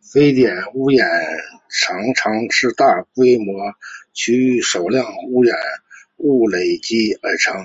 非点源污染常常是大范围区域少量污染物累积而成。